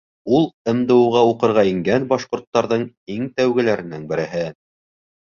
Ул — МДУ-ға уҡырға ингән башҡорттарҙың иң тәүгеләренең береһе.